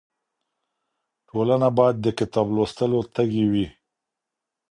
ټولنه بايد د کتاب لوستلو تږې وي.